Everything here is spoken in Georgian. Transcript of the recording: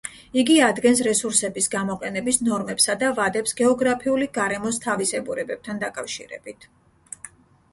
იგი ადგენს რესურსების გამოყენების ნორმებსა და ვადებს გეოგრაფიული გარემოს თავისებურებებთან დაკავშირებით.